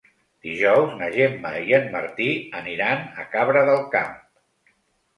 Dijous na Gemma i en Martí aniran a Cabra del Camp.